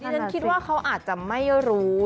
ฉันคิดว่าเขาอาจจะไม่รู้